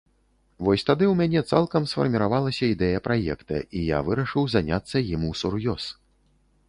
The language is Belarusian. Вось тады ў мяне цалкам сфарміравалася ідэя праекта і я вырашыў заняцца ім усур'ёз.